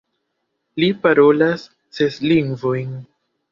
Li parolas ses lingvojn.